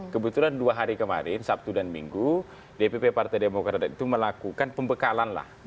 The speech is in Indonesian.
kebetulan dua hari kemarin sabtu dan minggu dpp partai demokrat itu melakukan pembekalan lah